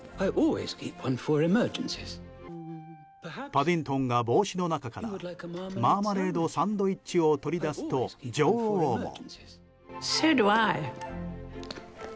パディントンが帽子の中からマーマレードサンドイッチを取り出すと女王も。